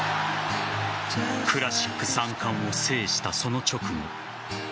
クラシック３冠を制したその直後。